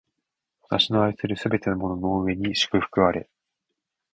私の愛するすべてのものの上に祝福あれ！